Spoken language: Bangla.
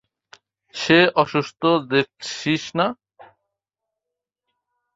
সে অসুস্থ দেখছিস না!